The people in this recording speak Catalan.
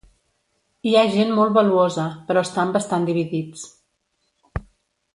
Hi ha gent molt valuosa, però estan bastant dividits.